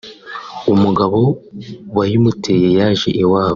umugabo wayimuteye yaje iwabo